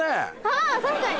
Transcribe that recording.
ああ確かに。